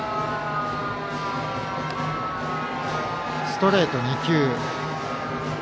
ストレート２球。